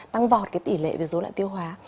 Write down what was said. tăng vọt cái tỷ lệ về dối loạn tiêu hóa